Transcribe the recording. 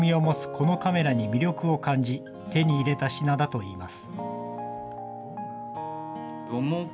このカメラに魅力を感じ、手に入れた品だといいます。